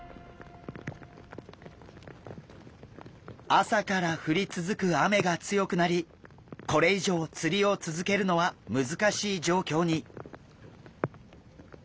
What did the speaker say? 朝から降り続く雨が強くなりこれ以上釣りを続けるのは難しい状況に。